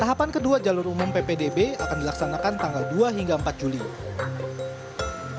tahapan kedua jalur umum ppdb akan berlangsung ke smp di luar sekolah dan di luar wilayah jakarta